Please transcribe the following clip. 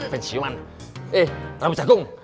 penciuman eh rambut jagung